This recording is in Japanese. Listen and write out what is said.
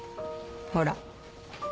ほら。